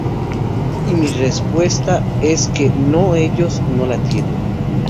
Y mi respuesta es que, no, ellos no la tienen.